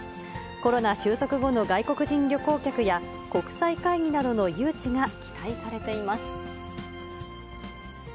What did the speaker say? コロナ収束後の外国人旅行客や、国際会議などの誘致が期待されています。